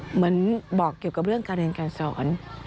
เหมือนบอกเกี่ยวกับเรื่องการเรียนการสอน